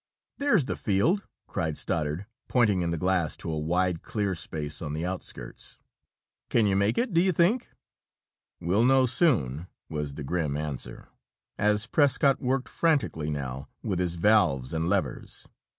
"There's the field!" cried Stoddard, pointing in the glass to a wide clear space on the outskirts. "Can you make it, do you think?" "We'll know soon!" was the grim answer, as Prescott worked frantically now with his valves and levers.